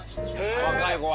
若い子は。